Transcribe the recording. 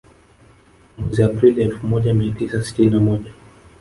Mwezi Aprili elfu moja mia tisa sitini na moja